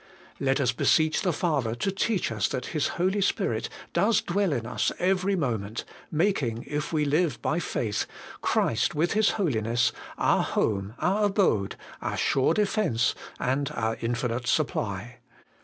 Let us beseech the Father to teach us that His Holy Spirit does dwell in us every moment, making, if we live by faith, Christ with His Holiness, our home, our abode, our sure defence, and our infinite supply.